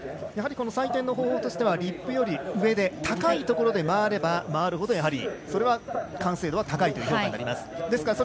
採点の方法としてはリップより上で高いところで回れば回るほどそれは完成度は高いという評価になります。